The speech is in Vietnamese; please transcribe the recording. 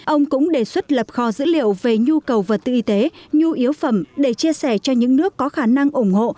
ông cũng đề xuất lập kho dữ liệu về nhu cầu vật tư y tế nhu yếu phẩm để chia sẻ cho những nước có khả năng ủng hộ